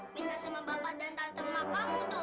minta sama bapak dan tante makamu dong